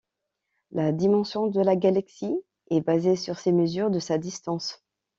La dimension de la galaxie est basée sur ces mesures de sa distance.